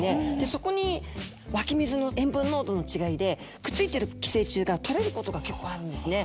そこに湧き水の塩分濃度の違いでくっついてる寄生虫が取れることが結構あるんですね。